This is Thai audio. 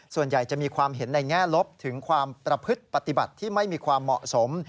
ส่วนใหญ่จะมีความเห็นในแง่ลบถึงความประพฤติปฏิบัติที่ไม่มีความเหมาะสม